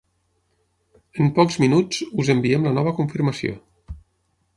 En pocs minuts us enviem la nova confirmació.